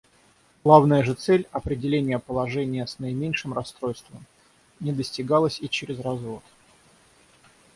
Главная же цель — определение положения с наименьшим расстройством — не достигалась и чрез развод.